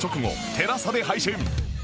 ＴＥＬＡＳＡ で配信